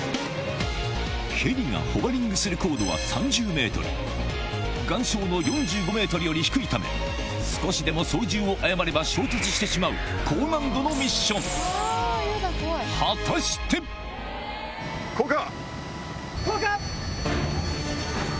ヘリがホバリングする高度は３０ｍ岩礁の４５ｍより低いため少しでも操縦を誤れば衝突してしまう高難度のミッション果たして⁉降下！